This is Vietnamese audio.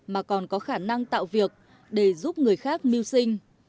mà còn có khả năng tạo việc để giúp người khác mưu sinh